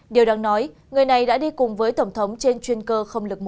điều đáng nói người này đã đi cùng với tổng thống trên chuyên cơ lực một